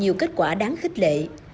nhiều kết quả đáng khích lệ